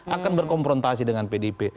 akan berkomprontasi dengan pdp